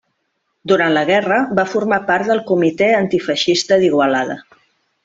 Durant la guerra, va formar part del Comitè Antifeixista d’Igualada.